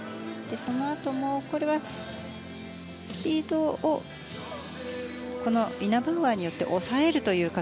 そのあともこのダブルアクセルはイナバウアーによって抑えるという形。